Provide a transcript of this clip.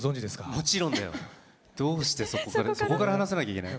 もちろんだよ。どうしてそこから話さなきゃいけない？